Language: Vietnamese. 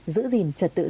giữ gìn trật tự xã hội